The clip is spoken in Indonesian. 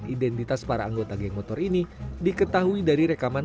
identitas para anggota geng motor ini diketahui dari rekaman